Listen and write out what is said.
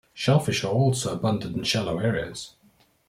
Shell fish are also abundant in shallow areas.